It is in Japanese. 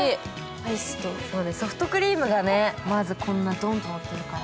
アイスとソフトクリームが、まずドンとのってるから。